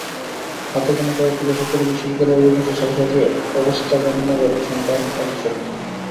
হাতে গোনা কয়েকটি বেসরকারি বিশ্ববিদ্যালয়ের অধিকাংশ ছাত্রছাত্রী অবস্থাপন্ন ঘরের সন্তান এটি সত্যি।